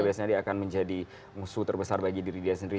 biasanya dia akan menjadi musuh terbesar bagi diri dia sendiri